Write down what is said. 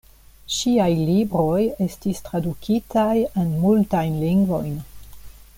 Ŝiaj libroj estis tradukitaj en multajn lingvojn.